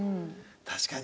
確かに。